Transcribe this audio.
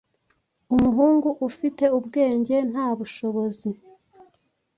Umuhungu ufite ubwenge nta bushobozi